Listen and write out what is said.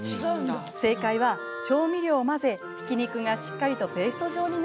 正解は調味料を混ぜひき肉がしっかりとペースト状になっているところに加える。